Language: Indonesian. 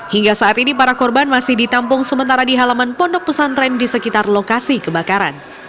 hingga saat ini para korban masih ditampung sementara di halaman pondok pesantren di sekitar lokasi kebakaran